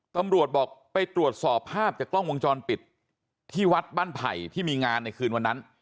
ตำรวจบอกไปตรวจสอบภาพจากกล้องวงจรปิดที่วัดบ้านไผ่ที่มีงานในคืนวันนั้น